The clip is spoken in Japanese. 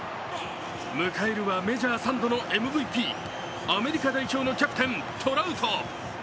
迎えるはメジャー３度のＭＶＰ、アメリカ代表のキャプテントラウト。